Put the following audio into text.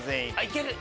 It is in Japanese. いける！